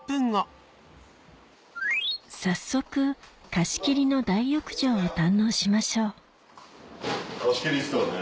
早速貸し切りの堪能しましょう貸し切りですからね。